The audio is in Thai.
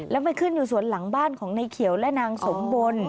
แล้วไปขึ้นอยู่สวนหลังบ้านของในเขียวและนางสมบล